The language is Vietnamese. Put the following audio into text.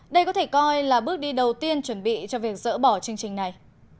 đây có thể coi là bước đi đầu tiên chuẩn bị cho việc dỡ bỏ chương trình này